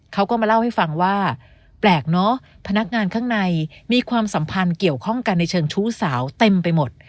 เขาก็มาเล่าให้ฟังว่าแปลกเนอะพนักงานข้างในมีความสัมพันธ์เกี่ยวข้องกันในเชิงชู้สาวเต็มไปหมด